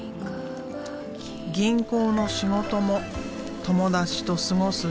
銀行の仕事も友達と過ごす休日も。